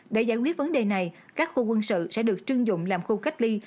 để giải quyết vấn đề này các khu quân sự sẽ được trưng dụng làm khu cách ly